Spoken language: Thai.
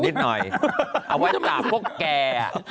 นิดหน่อยเอาไว้ปราบพวกแก